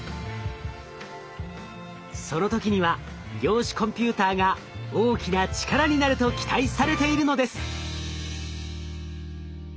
その時には量子コンピューターが大きな力になると期待されているのです。